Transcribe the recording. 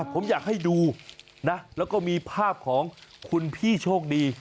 ผมอยากให้ดูนะแล้วก็มีภาพของคุณพี่โชคดี